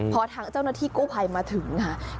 พอทางเจ้าหน้าที่กู้ภัยมาถึงค่ะ